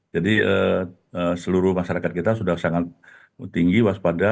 jadi seluruh masyarakat kita sudah sangat tinggi waspada